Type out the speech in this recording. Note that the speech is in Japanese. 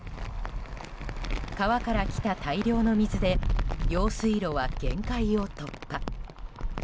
川から来た大量の水で用水路は限界を突破。